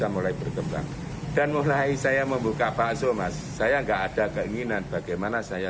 mulai berkembang dan mulai saya membuka bakso mas saya enggak ada keinginan bagaimana saya